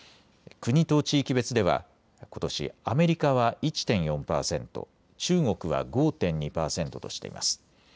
国と地域別ではことしアメリカは１．４％、中国は５．２％としています。